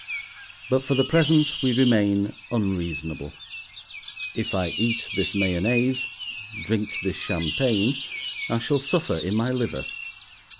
But for the present we remain unreasonable. If I eat this mayonnaise, drink this champagne, I shall suffer in my liver.